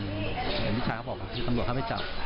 เหมือนวิชาเขาบอกว่าตำรวจเขาไปจับ